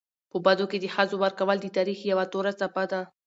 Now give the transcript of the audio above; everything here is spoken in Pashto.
په بدو کي د ښځو ورکول د تاریخ یوه توره څپه ده.